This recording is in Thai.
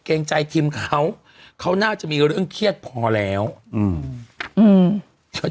เกรงใจทีมเขาเขาน่าจะมีเรื่องเครียดพอแล้วอืมอืม